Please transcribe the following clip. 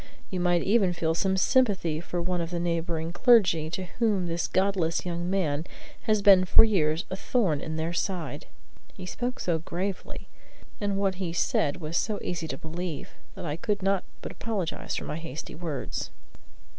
You might even feel some sympathy for one of the neighboring clergy, to whom this godless young man has been for years as a thorn in their side." He spoke so gravely, and what he said was so easy to believe, that I could not but apologize for my hasty words.